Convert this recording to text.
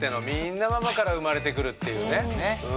みんなママから生まれてくるっていうね。